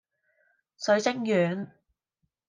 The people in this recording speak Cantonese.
水晶丸